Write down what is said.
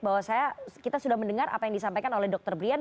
bahwa kita sudah mendengar apa yang disampaikan oleh dr brian